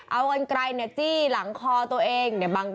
เอากันไกลจี้หลังคอตัวเอง